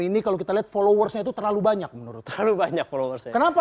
ini kalau kita lihat followersnya itu terlalu banyak menurut terlalu banyak followers kenapa